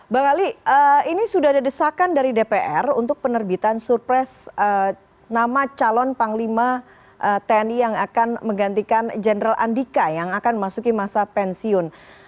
bang ali ini sudah ada desakan dari dpr untuk penerbitan surpres nama calon panglima tni yang akan menggantikan jenderal andika yang akan memasuki masa pensiun